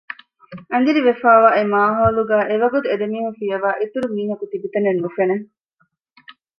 އަނދިރިވެފައިވާ އެ މާހައުލުގައި އެވަގުތު އެދެމީހުން ފިޔަވާ އިތުރު މީހަކު ތިބިތަނެއް ނުފެނެ